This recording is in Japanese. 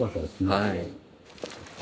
はい。